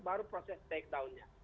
baru proses take down nya